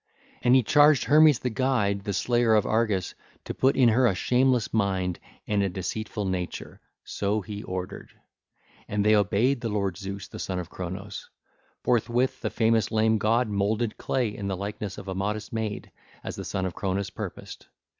And he charged Hermes the guide, the Slayer of Argus, to put in her a shameless mind and a deceitful nature. (ll. 69 82) So he ordered. And they obeyed the lord Zeus the son of Cronos. Forthwith the famous Lame God moulded clay in the likeness of a modest maid, as the son of Cronos purposed.